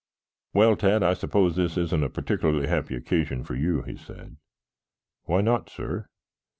"Well, Tad, I suppose this isn't a particularly happy occasion for you?" he said. "Why not sir?"